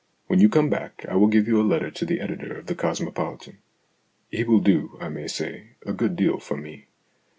When you come back, I will give you a letter to the editor of The Cosmopolitan ; he will do, I may say, a good deal for me.